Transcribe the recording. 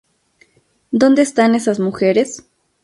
Dónde están esas mujeres?".